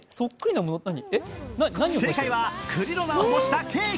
正解クリロナを模したケーキ。